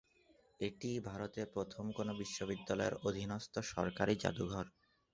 এটিই ভারতের প্রথম কোনো বিশ্ববিদ্যালয়ের অধীনস্থ সরকারি জাদুঘর।